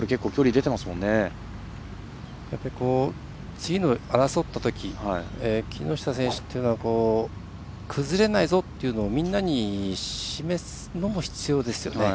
次の争ったとき木下選手というのは崩れないぞというのをみんなに示すのも必要ですよね。